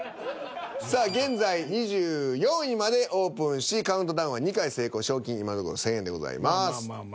さあ現在２４位までオープンしカウントダウンは２回成功賞金今のところ１，０００円でございます。